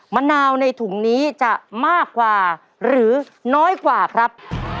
มะนาวในถุงนี้จะมากกว่าหรือน้อยกว่าครับ